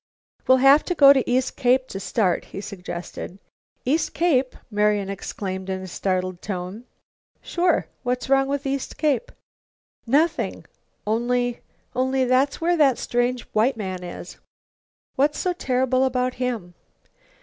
"We'll have to go to East Cape to start," he suggested. "East Cape?" Marian exclaimed in a startled tone. "Sure. What's wrong with East Cape?" "Nothing. Only only that's where that strange white man is." "What's so terrible about him?"